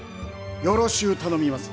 よろしう頼みます。